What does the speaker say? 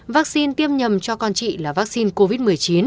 vaccine tiêm nhầm cho con chị là vaccine covid một mươi chín